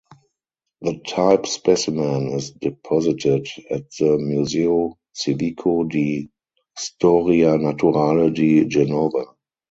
The type specimen is deposited at the Museo Civico di Storia Naturale di Genova.